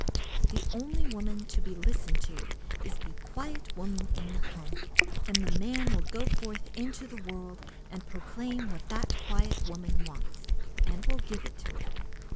The only woman to be listened to is "the quiet woman in the home," and man will go forth into the world and proclaim what that quiet woman wants, and will give it to her.